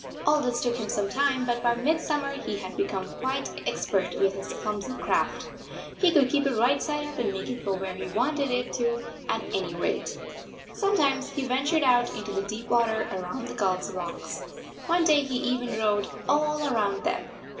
All this took him some time, but by mid summer he had become quite expert with 147 his clumsy craft. He could keep it right side up and make it go where he wanted it to at any rate. Sometimes he ventured out into the deep water around the gulls rocks. One day he even rowed all round them.